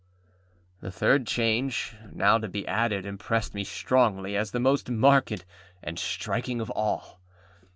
The third change now to be added impressed me strongly as the most marked and striking of all.